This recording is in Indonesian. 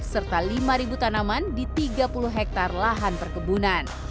serta lima tanaman di tiga puluh hektare lahan perkebunan